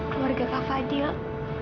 keluarga kak fadil